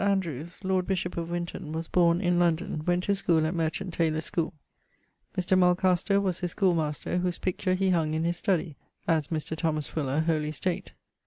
Lancelot Andrewes[F], lord bishop of Winton, was borne in London; went to schoole at Merchant Taylors schoole. Mr. Mulcaster[G] was his schoolemaster, whose picture he hung in his studie (as Mr. Thomas Fuller, Holy State).